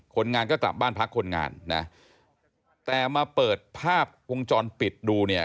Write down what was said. คนงานก็กลับบ้านพักคนงานนะแต่มาเปิดภาพวงจรปิดดูเนี่ย